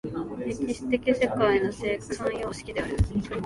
歴史的世界の生産様式である。